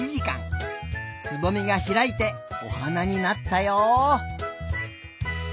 つぼみがひらいておはなになったよ。